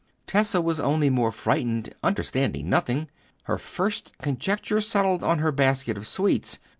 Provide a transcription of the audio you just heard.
Tessa was only more frightened, understanding nothing. Her first conjecture settled on her basket of sweets.